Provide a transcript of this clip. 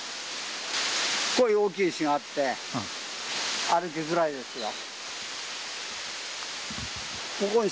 こういう大きい石があって、歩きづらいですよ。